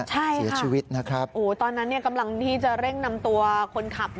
เสียชีวิตนะครับโอ้ตอนนั้นกำลังที่จะเร่งนำตัวคนขับ